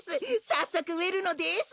さっそくうえるのです。